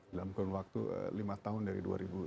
dalam kurun waktu lima tahun dari dua ribu sembilan belas